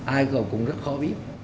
ai gọi cũng rất khó biết